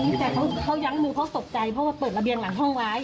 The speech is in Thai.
อะไรหนูก็เลยยิงกับจักรค้าโทรศัพท์แล้วไปยืนตรวจตรงระเบียน